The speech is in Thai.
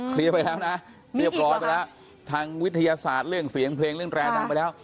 ไปแล้วนะเรียบร้อยไปแล้วทางวิทยาศาสตร์เรื่องเสียงเพลงเรื่องแรร์ดังไปแล้ว